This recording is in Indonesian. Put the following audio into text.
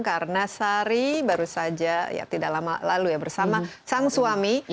karena sari baru saja tidak lama lalu ya bersama sang suami